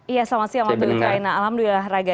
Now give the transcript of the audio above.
iya selamat siang waktu ukraina alhamdulillah raga